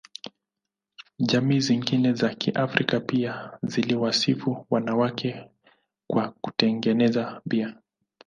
Jamii zingine za Kiafrika pia ziliwasifu wanawake kwa kutengeneza bia.